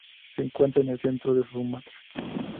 Se encuentra en el centro de Sumatra.